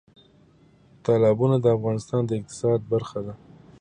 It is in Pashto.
تالابونه د افغانستان د اقتصاد برخه ده.